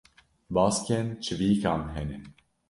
Baskên çivîkan hene.